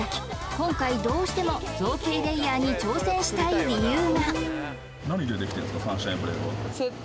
今回どうしても造形レイヤーに挑戦したい理由が何でできてるんですか？